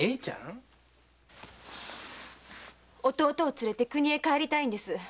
弟を連れて故郷へ帰りたいんです。